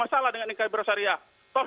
masalah dengan nkr yang bersyariah